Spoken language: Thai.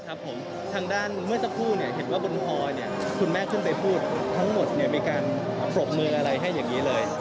ครับผมทางด้านเมื่อสักครู่เนี้ยเห็นว่าบนคอเนี้ยคุณแม่ขึ้นไปพูดทั้งหมดเนี้ยมีการปรบมืออะไรให้อย่างงี้เลย